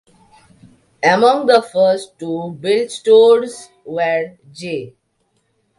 Among the first to build stores were J.